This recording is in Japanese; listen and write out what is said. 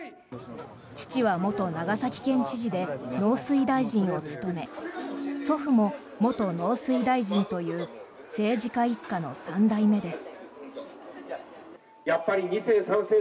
父は元長崎県知事で農水大臣を務め祖父も元農水大臣という政治家一家の３代目です。